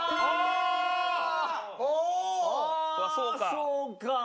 そうか。